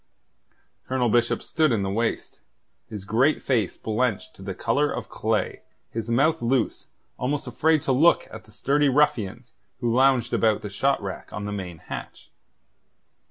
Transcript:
Colonel Bishop stood in the waist, his great face blenched to the colour of clay, his mouth loose, almost afraid to look at the sturdy ruffians who lounged about the shot rack on the main hatch.